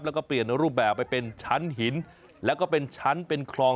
แล้วก็เปลี่ยนรูปแบบไปเป็นชั้นหินแล้วก็เป็นชั้นเป็นคลอง